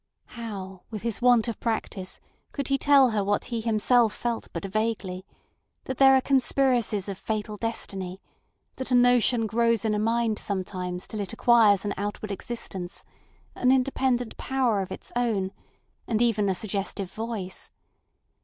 How with his want of practice could he tell her what he himself felt but vaguely: that there are conspiracies of fatal destiny, that a notion grows in a mind sometimes till it acquires an outward existence, an independent power of its own, and even a suggestive voice?